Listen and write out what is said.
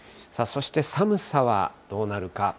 そして寒さはどうなるか。